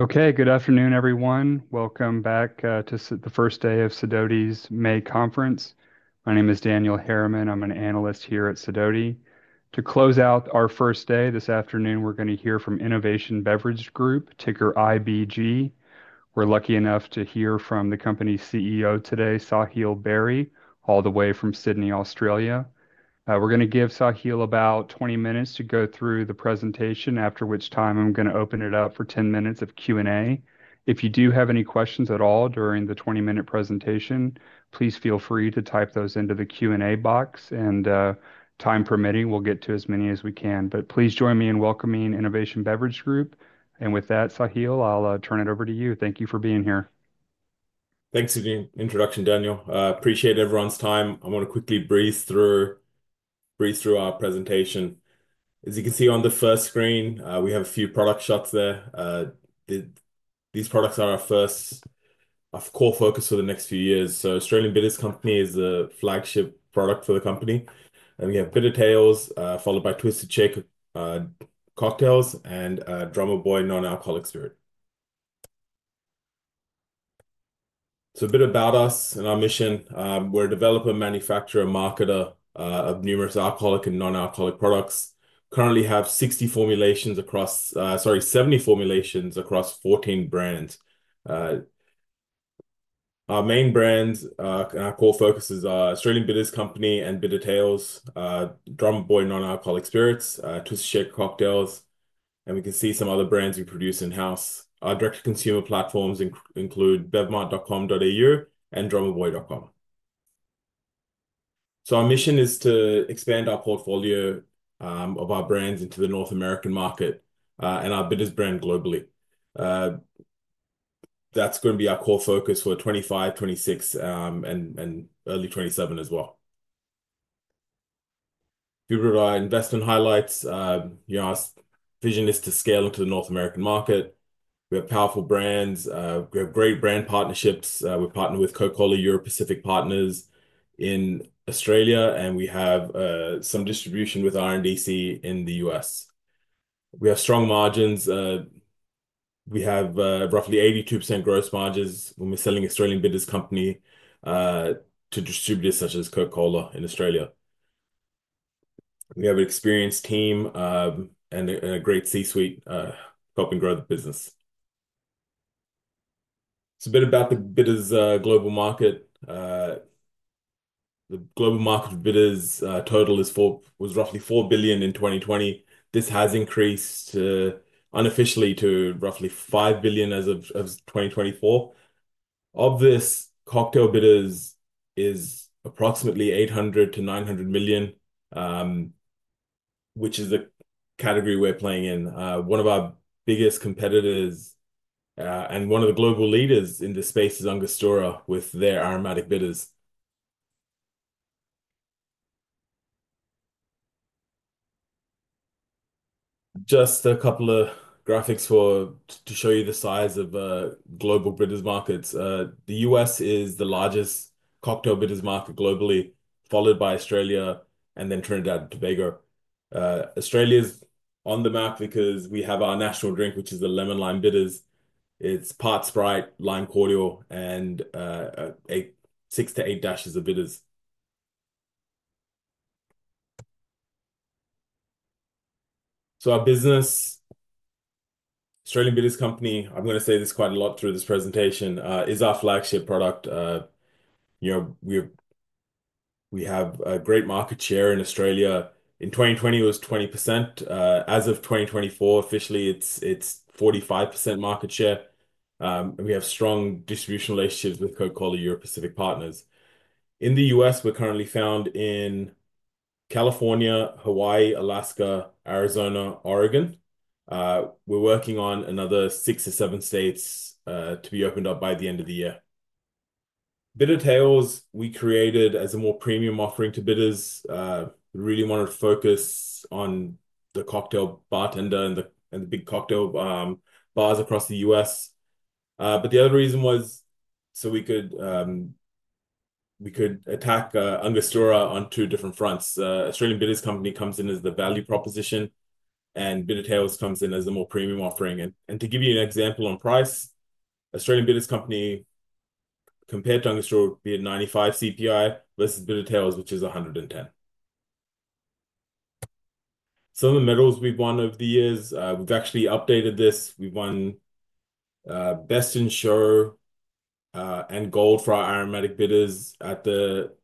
Okay, good afternoon, everyone. Welcome back to the first day of Sidoti's May Conference. My name is Daniel Harriman. I'm an analyst here at Sidoti. To close out our first day this afternoon, we're going to hear from Innovation Beverage Group, ticker IBG. We're lucky enough to hear from the company's CEO today, Sahil Berry, all the way from Sydney, Australia. We're going to give Sahil about 20 minutes to go through the presentation, after which time I'm going to open it up for 10 minutes of Q&A. If you do have any questions at all during the 20-minute presentation, please feel free to type those into the Q&A box, and time permitting, we'll get to as many as we can. Please join me in welcoming Innovation Beverage Group. With that, Sahil, I'll turn it over to you. Thank you for being here. Thanks for the introduction, Daniel. Appreciate everyone's time. I want to quickly breeze through our presentation. As you can see on the first screen, we have a few product shots there. These products are our first core focus for the next few years. Australian Bitters Company is a flagship product for the company. We have BITTERTALES, followed by Twisted Shaker Cocktails and Drummerboy Non-Alcoholic Spirit. A bit about us and our mission. We're a developer, manufacturer, marketer of numerous alcoholic and non-alcoholic products. Currently have 70 formulations across 14 brands. Our main brands and our core focuses are Australian Bitters Company and BITTERTALES, Drummerboy Non-Alcoholic Spirits, Twisted Shaker Cocktails, and we can see some other brands we produce in-house. Our direct-to-consumer platforms include bevmart.com.au and drummerboy.com. Our mission is to expand our portfolio of our brands into the North American market and our Bitters brand globally. That's going to be our core focus for 2025, 2026, and early 2027 as well. If you look at our investment highlights, you know our vision is to scale into the North American market. We have powerful brands. We have great brand partnerships. We partner with Coca-Cola Europe Pacific Partners in Australia, and we have some distribution with RNDC in the U.S. We have strong margins. We have roughly 82% gross margins when we're selling Australian Bitters Company to distributors such as Coca-Cola in Australia. We have an experienced team and a great C-suite helping grow the business. A bit about the Bitters global market. The global market for Bitters total was roughly $4 billion in 2020. This has increased unofficially to roughly $5 billion as of 2024. Of this, cocktail bitters is approximately $800 million to $900 million, which is the category we're playing in. One of our biggest competitors and one of the global leaders in the space is Angostura with their aromatic bitters. Just a couple of graphics to show you the size of global bitters markets. The U.S. is the largest cocktail Bitters market globally, followed by Australia, and then Trinidad and Tobago. Australia's on the map because we have our national drink, which is the lemon-lime bitters. It's part Sprite, lime cordial, and six to eight dashes of Bitters. Our business, Australian Bitters Company, I'm going to say this quite a lot through this presentation, is our flagship product. We have a great market share in Australia. In 2020, it was 20%. As of 2024, officially, it's 45% market share. We have strong distribution relationships with Coca-Cola Europe Pacific Partners. In the U.S., we're currently found in California, Hawaii, Alaska, Arizona, Oregon. We're working on another six or seven states to be opened up by the end of the year. BITTERTALES, we created as a more premium offering to Bitters. We really wanted to focus on the cocktail bartender and the big cocktail bars across the U.S. The other reason was so we could attack Angostura on two different fronts. Australian Bitters Company comes in as the value proposition, and BITTERTALES comes in as the more premium offering. To give you an example on price, Australian Bitters Company compared to Angostura would be at 95 CPI versus BITTERTALES, which is 110. Some of the medals we've won over the years, we've actually updated this. We've won Best in Show and Gold for our Aromatic Bitters at the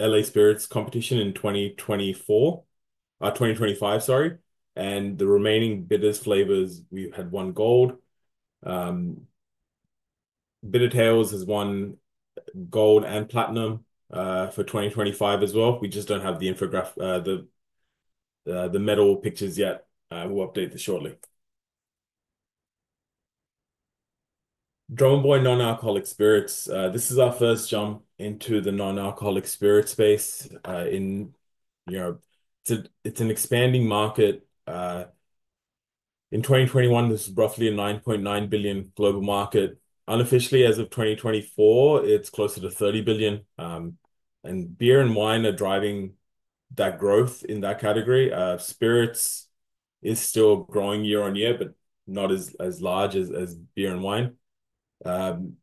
LA Spirits competition in 2024, 2025, sorry. The remaining bitters flavors, we had won Gold. BITTERTALES has won Gold and Platinum for 2025 as well. We just do not have the medal pictures yet. We will update this shortly. Drummerboy Non-Alcoholic Spirits. This is our first jump into the non-alcoholic spirit space. It is an expanding market. In 2021, this was roughly a $9.9 billion global market. Unofficially, as of 2024, it is closer to $30 billion. Beer and wine are driving that growth in that category. Spirits is still growing year on year, but not as large as beer and wine. The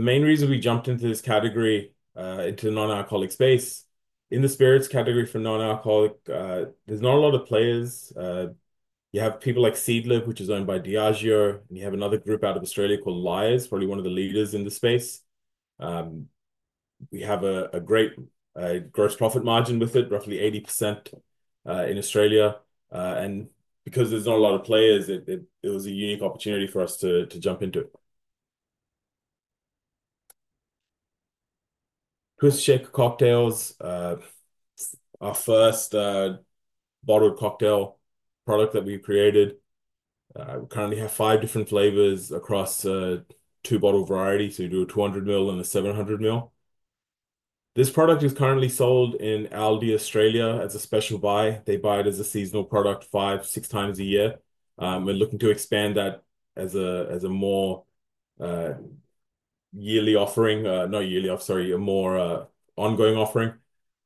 main reason we jumped into this category, into the non-alcoholic space, in the spirits category for non-alcoholic, there is not a lot of players. You have people like Seedlip, which is owned by Diageo, and you have another group out of Australia called Lyre's, probably one of the leaders in the space. We have a great gross profit margin with it, roughly 80% in Australia. Because there's not a lot of players, it was a unique opportunity for us to jump into it. Twisted Shaker Cocktails, our first bottled cocktail product that we created. We currently have five different flavors across two bottle varieties, so we do a 200 ml and a 700 ml. This product is currently sold in ALDI, Australia, as a special buy. They buy it as a seasonal product five-six times a year. We're looking to expand that as a more ongoing offering.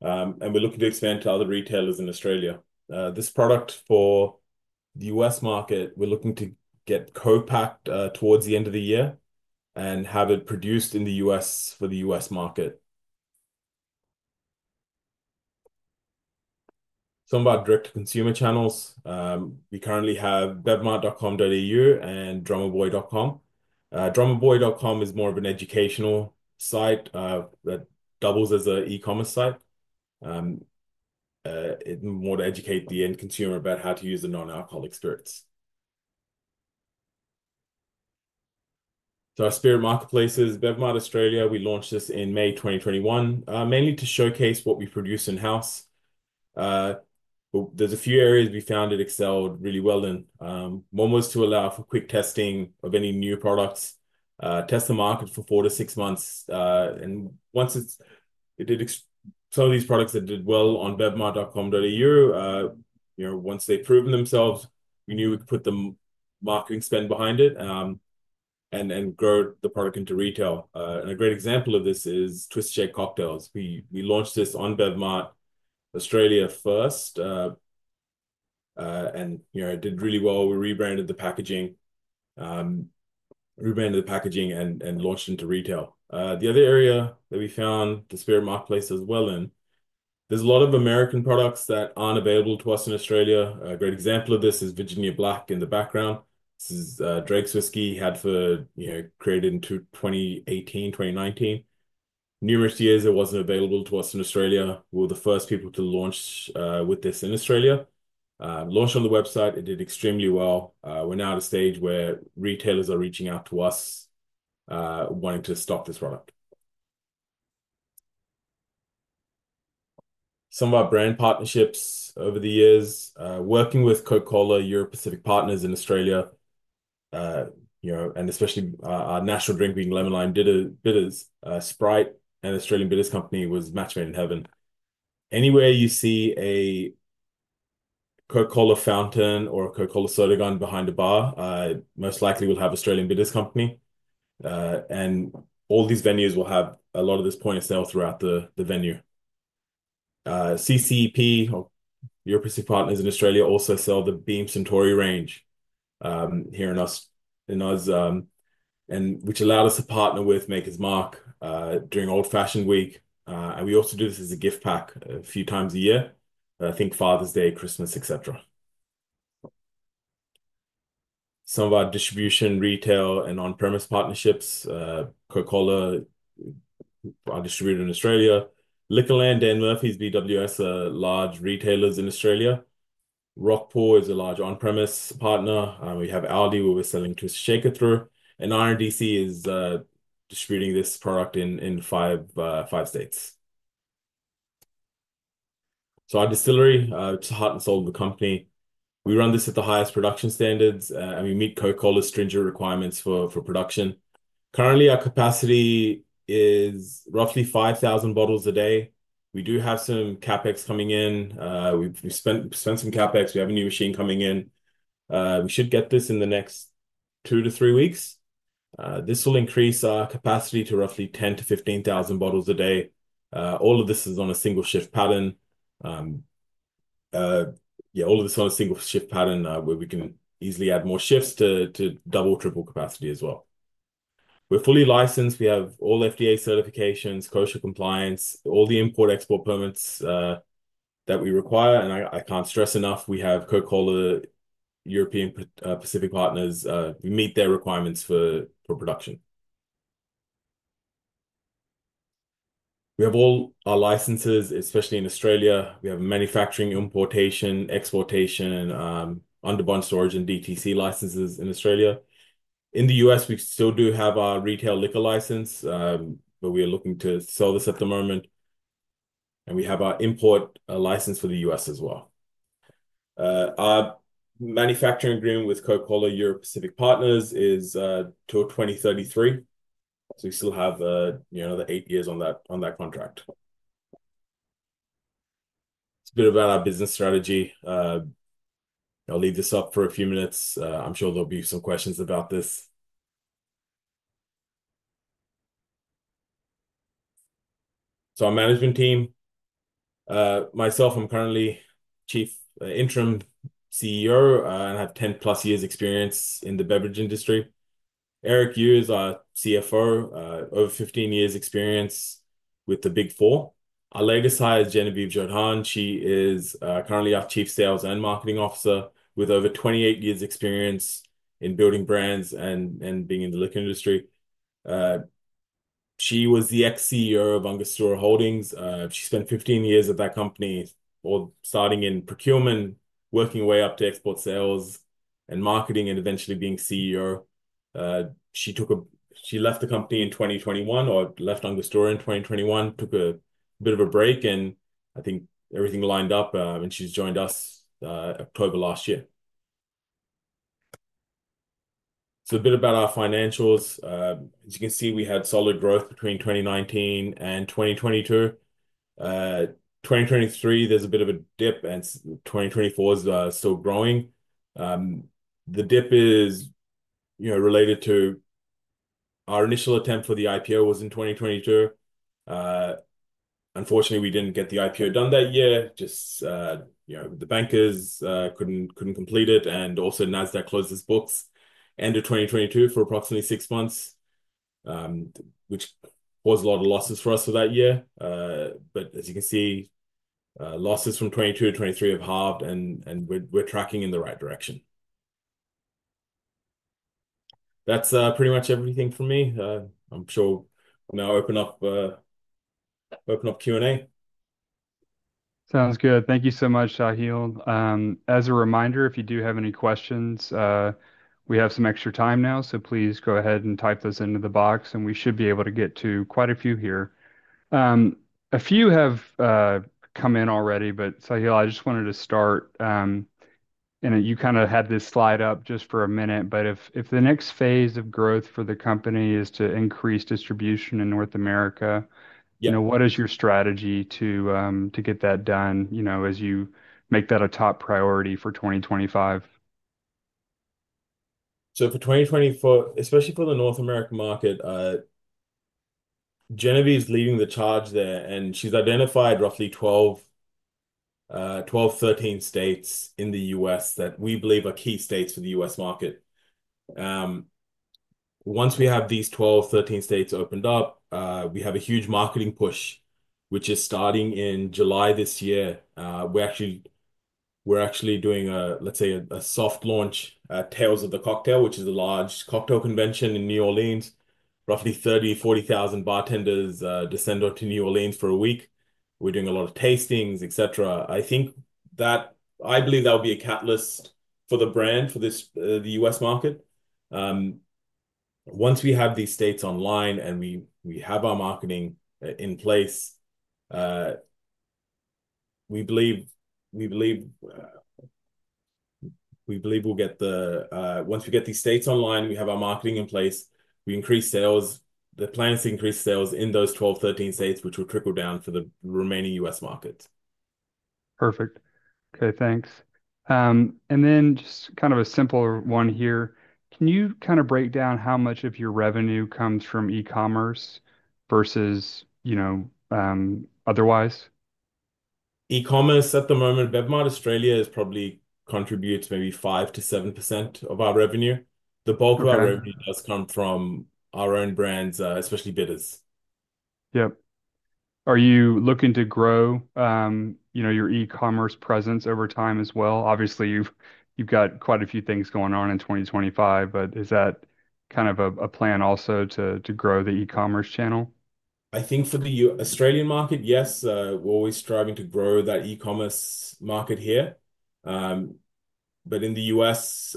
We're looking to expand to other retailers in Australia. This product for the U.S. market, we're looking to get co-packed towards the end of the year and have it produced in the U.S. for the U.S. market. Some of our direct-to-consumer channels. We currently have bevmart.com.au and drummerboy.com. Drummerboy.com is more of an educational site that doubles as an e-commerce site, more to educate the end consumer about how to use the non-alcoholic spirits. Our spirit marketplace is Bevmart Australia. We launched this in May 2021, mainly to showcase what we produce in-house. There are a few areas we found it excelled really well in. One was to allow for quick testing of any new products, test the market for four to six months. Once it did, some of these products that did well on bevmart.com.au, once they had proven themselves, we knew we could put the marketing spend behind it and grow the product into retail. A great example of this is Twisted Shaker Cocktails. We launched this on Bevmart Australia first and it did really well. We rebranded the packaging and launched into retail. The other area that we found the spirit marketplace as well in, there's a lot of American products that aren't available to us in Australia. A great example of this is Virginia Black in the background. This is Drake's whiskey, had for created in 2018, 2019. Numerous years, it wasn't available to us in Australia. We were the first people to launch with this in Australia. Launched on the website, it did extremely well. We're now at a stage where retailers are reaching out to us wanting to stock this product. Some of our brand partnerships over the years, working with Coca-Cola Europe Pacific Partners in Australia, and especially our national drink being lemon-lime bitters, Sprite and Australian Bitters Company was match made in heaven. Anywhere you see a Coca-Cola fountain or a Coca-Cola soda gun behind a bar, most likely we'll have Australian Bitters Company. All these venues will have a lot of this point of sale throughout the venue. CCEP or Coca-Cola Europacific Partners in Australia also sell the Beam Suntory range here in the U.S., which allowed us to partner with Maker's Mark during Old Fashioned Week. We also do this as a gift pack a few times a year, I think Father's Day, Christmas, etc. Some of our distribution, retail, and on-premise partnerships, Coca-Cola are distributed in Australia. Liquorland, Dan Murphy's, BWS are large retailers in Australia. Rockpool is a large on-premise partner. We have ALDI, where we're selling Twisted Shaker through. RNDC is distributing this product in five states. Our distillery, it's the heart and soul of the company. We run this at the highest production standards, and we meet Coca-Cola's stringent requirements for production. Currently, our capacity is roughly 5,000 bottles a day. We do have some CapEx coming in. We spent some CapEx. We have a new machine coming in. We should get this in the next two to three weeks. This will increase our capacity to roughly 10,000-15,000 bottles a day. All of this is on a single shift pattern. Yeah, all of this on a single shift pattern where we can easily add more shifts to double, triple capacity as well. We're fully licensed. We have all FDA certifications, kosher compliance, all the import-export permits that we require. I can't stress enough, we have Coca-Cola Europe Pacific Partners. We meet their requirements for production. We have all our licenses, especially in Australia. We have manufacturing, importation, exportation, underbond storage, and DTC licenses in Australia. In the U.S., we still do have our retail liquor license, but we are looking to sell this at the moment. We have our import license for the U.S. as well. Our manufacturing agreement with Coca-Cola Europe Pacific Partners is to 2033. We still have another eight years on that contract. It is a bit about our business strategy. I will leave this up for a few minutes. I am sure there will be some questions about this. Our management team, myself, I am currently Interim CEO and have 10-plus years' experience in the beverage industry. Eric Yu is our CFO, over 15 years' experience with the Big Four. Our latest hire is Genevieve Jordan. She is currently our Chief Sales and Marketing Officer with over 28 years' experience in building brands and being in the liquor industry. She was the ex-CEO of Angostura Holdings. She spent 15 years at that company, starting in procurement, working her way up to export sales and marketing, and eventually being CEO. She left the company in 2021 or left Angostura in 2021, took a bit of a break, and I think everything lined up, and she's joined us October last year. So a bit about our financials. As you can see, we had solid growth between 2019 and 2022. 2023, there's a bit of a dip, and 2024 is still growing. The dip is related to our initial attempt for the IPO was in 2022. Unfortunately, we didn't get the IPO done that year. Just the bankers couldn't complete it. Also, NASDAQ closed its books end of 2022 for approximately six months, which caused a lot of losses for us for that year. As you can see, losses from 2022 to 2023 have halved, and we're tracking in the right direction. That's pretty much everything from me. I'm sure I'll now open up Q&A. Sounds good. Thank you so much, Sahil. As a reminder, if you do have any questions, we have some extra time now, so please go ahead and type those into the box, and we should be able to get to quite a few here. A few have come in already, but Sahil, I just wanted to start. You kind of had this slide up just for a minute, but if the next phase of growth for the company is to increase distribution in North America, what is your strategy to get that done as you make that a top priority for 2025? For 2024, especially for the North American market, Genevieve's leading the charge there, and she's identified roughly 12-13 states in the U.S. that we believe are key states for the U.S. market. Once we have these 12-13 states opened up, we have a huge marketing push, which is starting in July this year. We're actually doing, let's say, a soft launch, Tales of the Cocktail, which is a large cocktail convention in New Orleans, roughly 30,000-40,000 bartenders descend onto New Orleans for a week. We're doing a lot of tastings, etc. I think that I believe that will be a catalyst for the brand for the U.S. market. Once we have these states online and we have our marketing in place, we believe we'll get the, once we get these states online, we have our marketing in place, we increase sales, the plans to increase sales in those 12-13 states, which will trickle down for the remaining U.S. markets. Perfect. Okay, thanks. And then just kind of a simple one here. Can you kind of break down how much of your revenue comes from e-commerce versus otherwise? E-commerce at the moment, Bevmart Australia probably contributes maybe 5-7% of our revenue. The bulk of our revenue does come from our own brands, especially bitters. Yep. Are you looking to grow your e-commerce presence over time as well? Obviously, you've got quite a few things going on in 2025, but is that kind of a plan also to grow the e-commerce channel? I think for the Australian market, yes, we're always striving to grow that e-commerce market here. In the U.S.,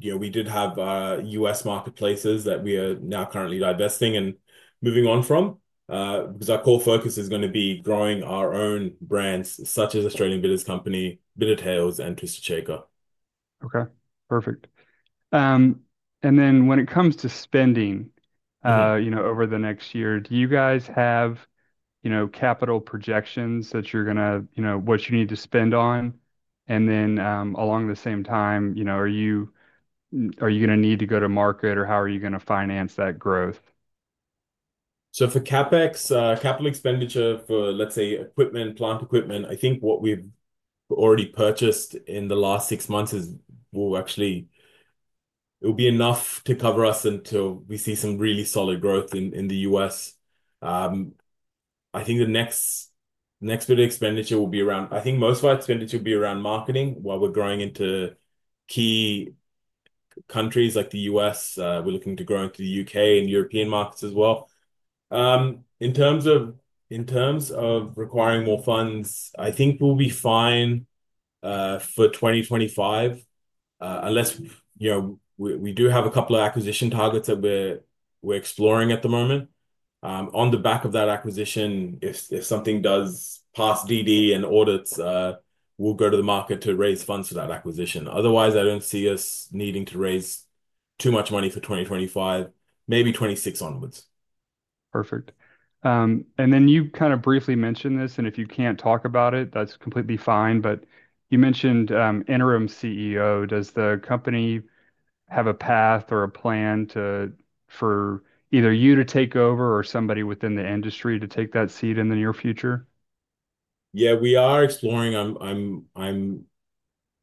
we did have U.S. marketplaces that we are now currently divesting and moving on from because our core focus is going to be growing our own brands such as Australian Bitters Company, BITTERTALES, and Twisted Shaker. Okay. Perfect. Then when it comes to spending over the next year, do you guys have capital projections that you're going to what you need to spend on? Then along the same time, are you going to need to go to market, or how are you going to finance that growth? For CapEx, capital expenditure for, let's say, equipment, plant equipment, I think what we've already purchased in the last six months will actually be enough to cover us until we see some really solid growth in the U.S. I think the next bit of expenditure will be around I think most of our expenditure will be around marketing while we're growing into key countries like the U.S. We're looking to grow into the U.K. and European markets as well. In terms of requiring more funds, I think we'll be fine for 2025 unless we do have a couple of acquisition targets that we're exploring at the moment. On the back of that acquisition, if something does pass DD and audits, we'll go to the market to raise funds for that acquisition. Otherwise, I don't see us needing to raise too much money for 2025, maybe 2026 onwards. Perfect. You kind of briefly mentioned this, and if you can't talk about it, that's completely fine. You mentioned interim CEO. Does the company have a path or a plan for either you to take over or somebody within the industry to take that seat in the near future? Yeah, we are exploring.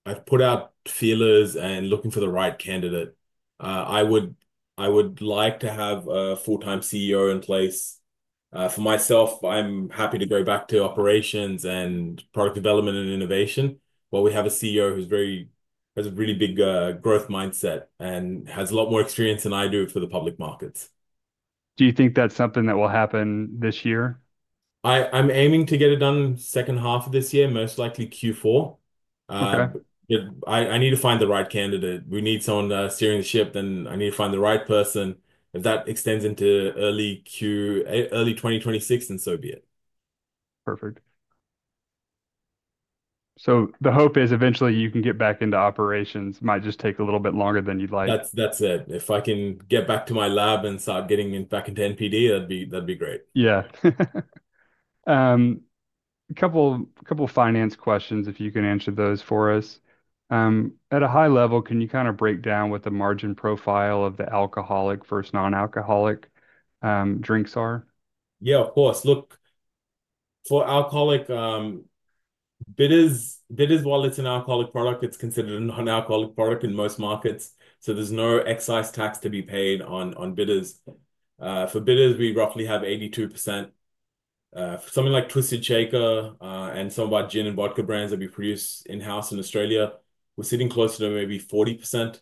I've put out feelers and looking for the right candidate. I would like to have a full-time CEO in place. For myself, I'm happy to go back to operations and product development and innovation while we have a CEO who has a really big growth mindset and has a lot more experience than I do for the public markets. Do you think that's something that will happen this year? I'm aiming to get it done second half of this year, most likely Q4. I need to find the right candidate. We need someone steering the ship, and I need to find the right person. If that extends into early 2026, then so be it. Perfect. The hope is eventually you can get back into operations. It might just take a little bit longer than you'd like. That's it. If I can get back to my lab and start getting back into NPD, that'd be great. Yeah. A couple of finance questions if you can answer those for us. At a high level, can you kind of break down what the margin profile of the alcoholic versus non-alcoholic drinks are? Yeah, of course. Look, for alcoholic, bitters, while it's an alcoholic product, it's considered a non-alcoholic product in most markets. So there's no excise tax to be paid on Bitters. For Bitters, we roughly have 82%. Something like Twisted Shaker and some of our gin and vodka brands that we produce in-house in Australia, we're sitting close to maybe 40%.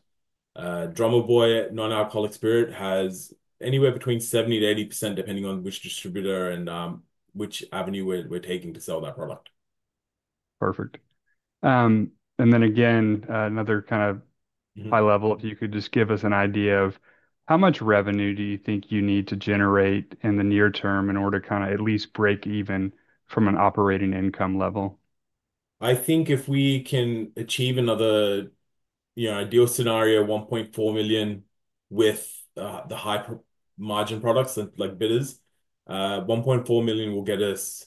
Drummerboy, non-alcoholic spirit has anywhere between 70-80% depending on which distributor and which avenue we're taking to sell that product. Perfect. And then again, another kind of high level, if you could just give us an idea of how much revenue do you think you need to generate in the near term in order to kind of at least break even from an operating income level? I think if we can achieve another ideal scenario, $1.4 million with the high-margin products like Bitters, $1.4 million will get us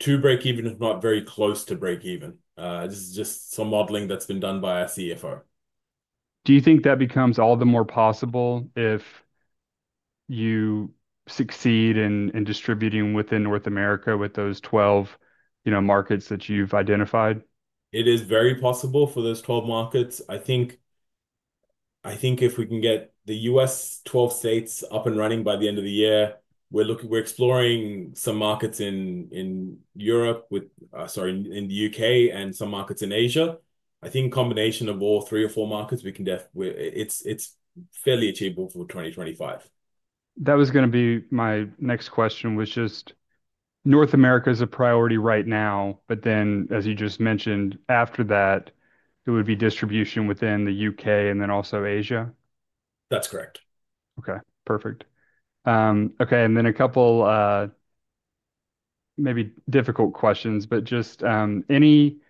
to break even, if not very close to break even. This is just some modeling that's been done by our CFO. Do you think that becomes all the more possible if you succeed in distributing within North America with those 12 markets that you've identified? It is very possible for those 12 markets. I think if we can get the U.S. 12 states up and running by the end of the year, we're exploring some markets in Europe with, sorry, in the U.K. and some markets in Asia. I think a combination of all three or four markets, it's fairly achievable for 2025. That was going to be my next question, which is North America is a priority right now, but then, as you just mentioned, after that, it would be distribution within the U.K. and then also Asia. That's correct. Okay. Perfect. Okay. And then a couple of maybe difficult questions, but just any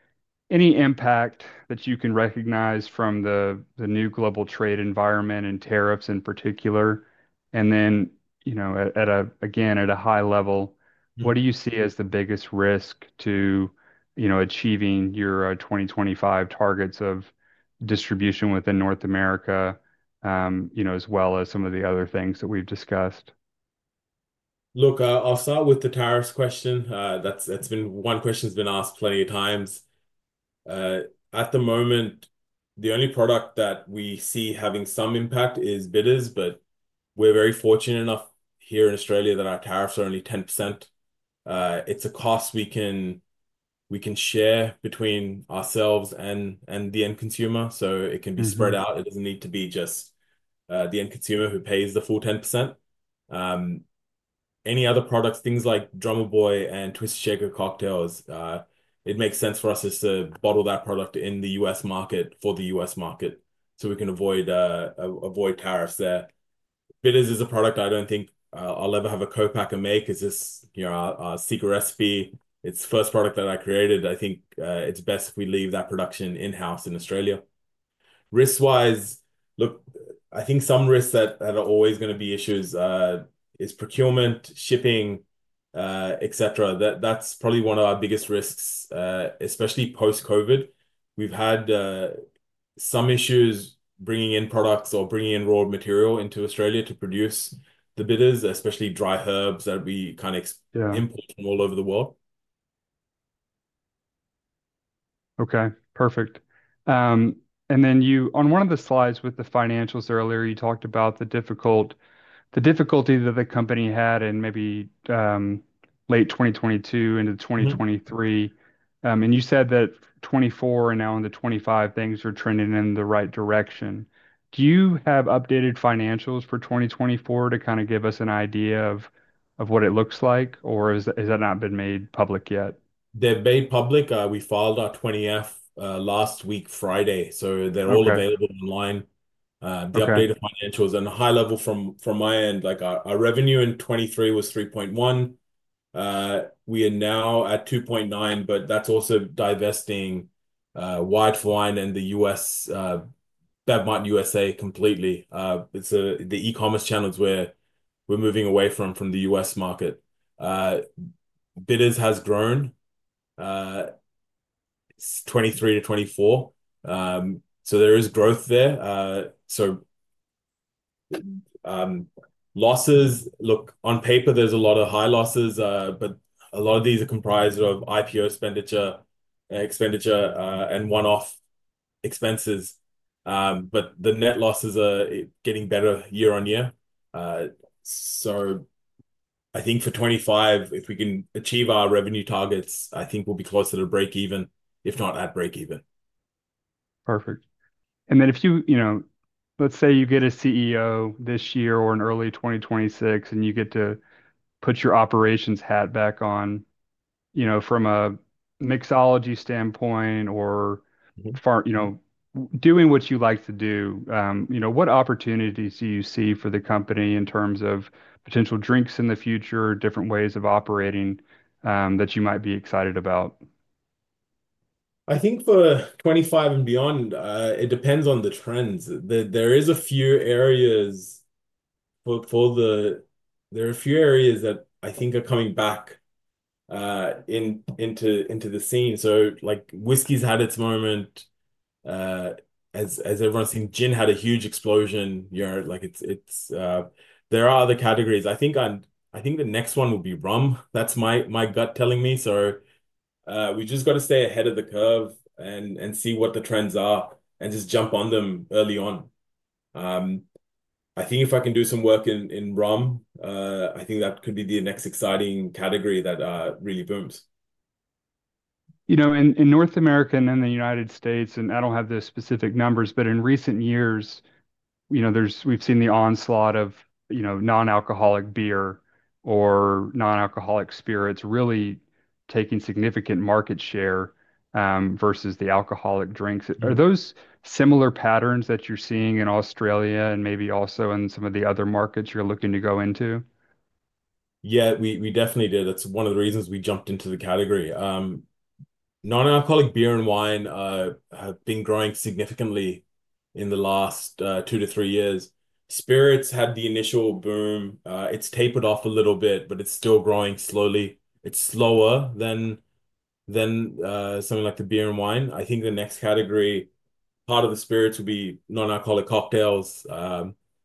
impact that you can recognize from the new global trade environment and tariffs in particular. And then, again, at a high level, what do you see as the biggest risk to achieving your 2025 targets of distribution within North America as well as some of the other things that we've discussed? Look, I'll start with the tariffs question. That's been one question that's been asked plenty of times. At the moment, the only product that we see having some impact is bitters, but we're very fortunate enough here in Australia that our tariffs are only 10%. It's a cost we can share between ourselves and the end consumer, so it can be spread out. It doesn't need to be just the end consumer who pays the full 10%. Any other products, things like Drummerboy and Twisted Shaker Cocktails, it makes sense for us to bottle that product in the U.S. market for the U.S. market so we can avoid tariffs there. Bitters is a product I don't think I'll ever have a co-packer make because it's our secret recipe. It's the first product that I created. I think it's best if we leave that production in-house in Australia. Risk-wise, look, I think some risks that are always going to be issues is procurement, shipping, etc. That's probably one of our biggest risks, especially post-COVID. We've had some issues bringing in products or bringing in raw material into Australia to produce the bitters, especially dry herbs that we kind of import from all over the world. Okay. Perfect. Then on one of the slides with the financials earlier, you talked about the difficulty that the company had in maybe late 2022 into 2023. You said that 2024 and now into 2025, things are trending in the right direction. Do you have updated financials for 2024 to kind of give us an idea of what it looks like, or has that not been made public yet? They've been made public. We filed our 20F last week, Friday. They're all available online. The updated financials and the high level from my end, our revenue in 2023 was $3.1 million. We are now at 2.9, but that's also divesting White Wine and the U.S., Bevmart USA completely. The e-commerce channels we're moving away from the U.S. market. Bitters has grown 2023 to 2024. There is growth there. Losses, look, on paper, there's a lot of high losses, but a lot of these are comprised of IPO expenditure and one-off expenses. The net losses are getting better year on year. I think for 2025, if we can achieve our revenue targets, I think we'll be closer to break even, if not at break even. Perfect. If you, let's say you get a CEO this year or in early 2026, and you get to put your operations hat back on from a mixology standpoint or doing what you like to do, what opportunities do you see for the company in terms of potential drinks in the future, different ways of operating that you might be excited about? I think for 2025 and beyond, it depends on the trends. There are a few areas that I think are coming back into the scene. Whiskey's had its moment. As everyone's seen, gin had a huge explosion. There are other categories. I think the next one will be rum. That's my gut telling me. We just have to stay ahead of the curve and see what the trends are and just jump on them early on. I think if I can do some work in rum, I think that could be the next exciting category that really booms. In North America and in the U.S., and I do not have the specific numbers, but in recent years, we have seen the onslaught of non-alcoholic beer or non-alcoholic spirits really taking significant market share versus the alcoholic drinks. Are those similar patterns that you are seeing in Australia and maybe also in some of the other markets you are looking to go into? Yeah, we definitely did. That is one of the reasons we jumped into the category. Non-alcoholic beer and wine have been growing significantly in the last two to three years. Spirits had the initial boom. It has tapered off a little bit, but it is still growing slowly. It is slower than something like the beer and wine. I think the next category, part of the spirits will be non-alcoholic cocktails.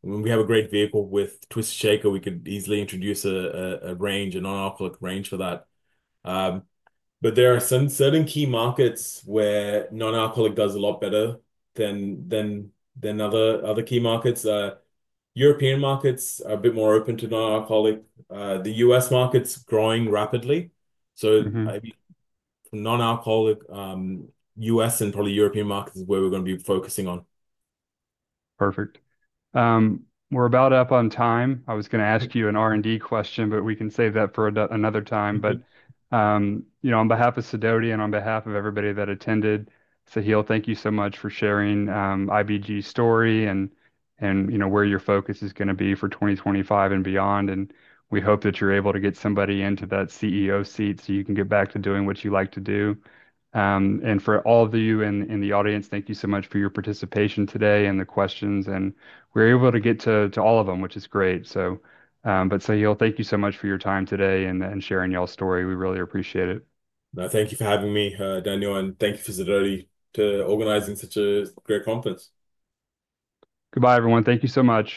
When we have a great vehicle with Twisted Shaker, we could easily introduce a range, a non-alcoholic range for that. There are certain key markets where non-alcoholic does a lot better than other key markets. European markets are a bit more open to non-alcoholic. The U.S. market's growing rapidly. Non-alcoholic U.S. and probably European markets is where we're going to be focusing on. Perfect. We're about up on time. I was going to ask you an R&D question, but we can save that for another time. On behalf of Sidoti and on behalf of everybody that attended, Sahil, thank you so much for sharing IBG's story and where your focus is going to be for 2025 and beyond. We hope that you're able to get somebody into that CEO seat so you can get back to doing what you like to do. For all of you in the audience, thank you so much for your participation today and the questions. We were able to get to all of them, which is great. Sahil, thank you so much for your time today and sharing all your story. We really appreciate it. Thank you for having me, Daniel, and thank you for Sidoti for organizing such a great conference. Goodbye, everyone. Thank you so much.